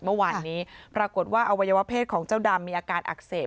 เมื่อวานนี้ปรากฏว่าอวัยวะเพศของเจ้าดำมีอาการอักเสบ